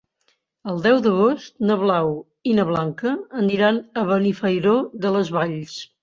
El deu d'agost na Blau i na Blanca aniran a Benifairó de les Valls.